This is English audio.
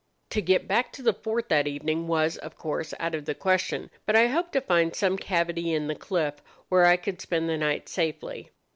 "To get back to the fort that evening was, of course, out of the question, but I hoped to find some cavity in the cliff where I could spend the night safely.